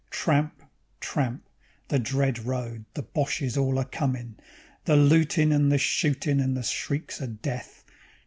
Tramp, tramp, the dread road, the Boches all a comin', The lootin' and the shootin' and the shrieks o' death.